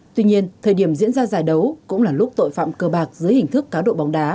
tuy nhiên thời điểm diễn ra giải đấu cũng là lúc tội phạm cơ bạc dưới hình thức cá độ bóng đá